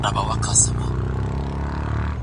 زه پرون کښېناستل کوم!